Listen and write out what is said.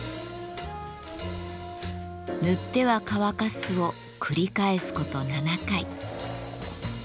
塗っては乾かすを繰り返すこと７回。